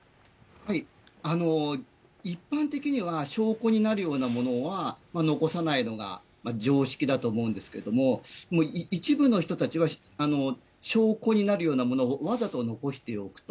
一般的には証拠になるようなものは残さないのが常識だと思うんですけれども、一部の人たちは、証拠になるようなものをわざと残しておくと。